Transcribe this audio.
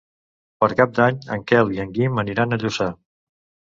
Per Cap d'Any en Quel i en Guim aniran a Lluçà.